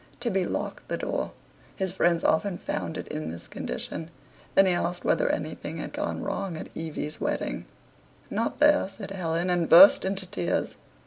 Tibby locked the door. His friends often found it in this condition. Then he asked whether anything had gone wrong at Evie's wedding. "Not there," said Helen, and burst into tears.